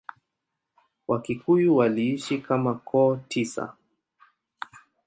Wakikuyu waliishi kama koo tisa.